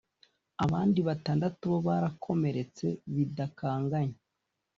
abandi batandatu bo barakomeretse bidakanganye